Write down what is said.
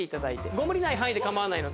ご無理ない範囲で構わないので。